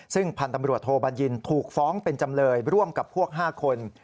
ซึ่งพันธ์ตำรวจโทบัญญินถูกฟ้องเป็นจำเลยร่วมกับพวก๕คน